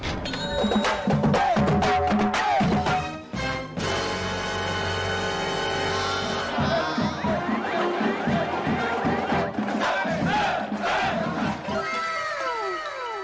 เต็ม